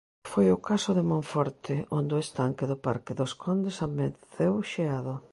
Foi o caso de Monforte, onde o estanque do parque dos Condes amenceu xeado.